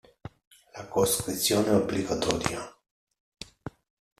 La coscrizione obbligatoria.